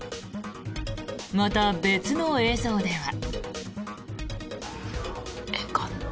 また、別の映像では。